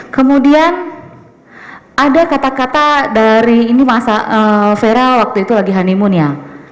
kemudian ada kata kata dari ini masa vera waktu itu lagi honeymoon ya